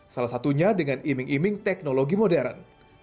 salah satunya dengan iming iming teknologi modern